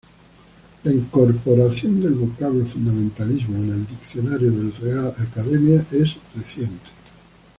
La incorporación del vocablo "fundamentalismo" en el diccionario de la Real Academia es reciente.